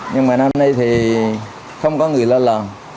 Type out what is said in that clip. nhưng mà năm nay thì không có người lo lòn